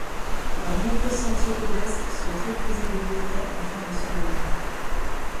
Leurs nombreux sentiers pédestres sont très prisés des Lyonnais en fin de semaine.